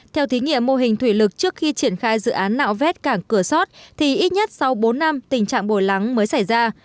theo thí nghiệm mô hình thủy lực trước khi triển khai dự án nạo vét cảng cửa sót thì ít nhất sau bốn năm tình trạng bồi lắng mới xảy ra